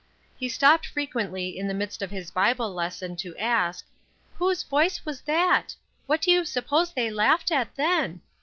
He stopped frequently in the midst of his Bible les son to ask :" Whose voice was that ? What do you suppose they laughed at then